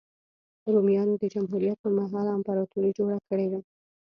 رومیانو د جمهوریت پرمهال امپراتوري جوړه کړې وه.